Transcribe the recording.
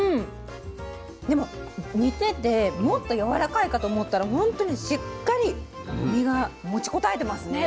でも煮ててもっとやわらかいかと思ったら本当にしっかり実が持ちこたえてますね。